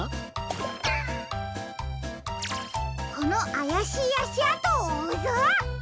このあやしいあしあとをおうぞ！